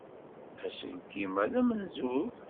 Aselkim-a d amenzug?